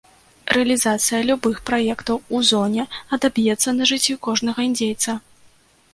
Рэалізацыя любых праектаў у зоне адаб'ецца на жыцці кожнага індзейца.